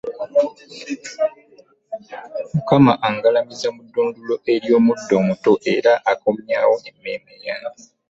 Mukama angalamiza mu ddundiro ely'omuddo omuto era akomyawo emmeeme yange.